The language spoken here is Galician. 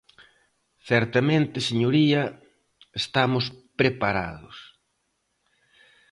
Certamente, señoría, estamos preparados.